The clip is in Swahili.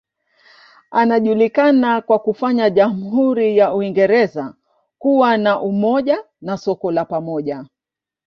Anajulikana kwa kufanya jamhuri ya Uingereza kuwa na umoja na soko la pamoja.